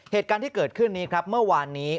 เหตุการณ์ที่เกิดขึ้นนี้ครับเมื่อวานนี้